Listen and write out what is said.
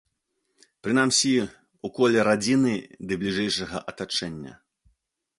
Прынамсі, у коле радзіны ды бліжэйшага атачэння.